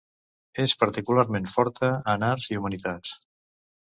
És particularment forta en Arts i Humanitats.